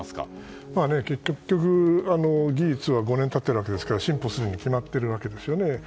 結局、技術は５年経っているわけですが進歩するに決まってるわけですね。